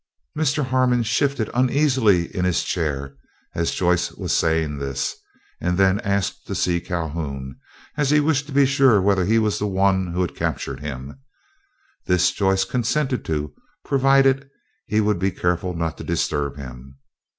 Mr. Harmon shifted uneasily in his chair as Joyce was saying this, and then asked to see Calhoun, as he wished to be sure whether he was the one who had captured him. This Joyce consented to, provided he would be careful not to disturb him.